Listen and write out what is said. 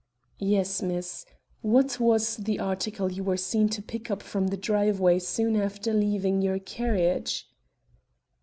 "Yes, miss. What was the article you were seen to pick up from the driveway soon after leaving your carriage?"